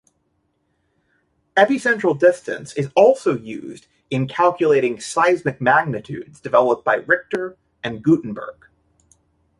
Epicentral distance is also used in calculating seismic magnitudes developed by Richter and Gutenberg.